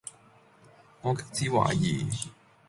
我極之懷疑